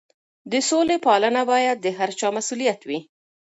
د سولې پالنه باید د هر چا مسؤلیت وي.